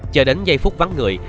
chờ đến giây phút vắng người